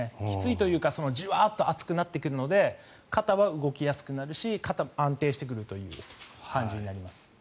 きついというかじわーっと熱くなってくるので肩は動きやすくなるし肩も安定してくるという感じになります。